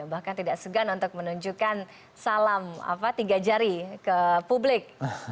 bahkan tidak segan untuk menunjukkan salam tiga jari ke publik